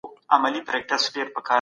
څوک د بهرني سیاست پرېکړي کوي؟